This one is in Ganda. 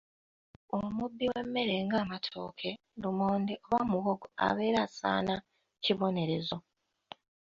"Omubbi w’emmere ng’amatooke, lumonde oba muwogo abeera asaana kibonerezo."